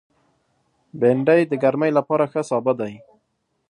بېنډۍ د ګرمۍ لپاره ښه سابه دی